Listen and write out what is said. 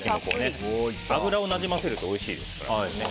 油を馴染ませるとおいしいです。